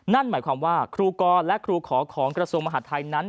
นั่นหมายความว่าครูกรและครูขอของกระทรวงมหาดไทยนั้น